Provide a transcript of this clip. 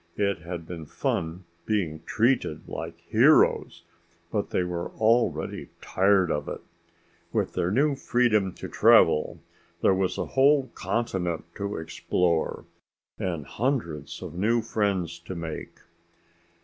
It had been fun being treated like heroes, but they were already tired of it. With their new freedom to travel, there was a whole continent to explore, and hundreds of new friends to make.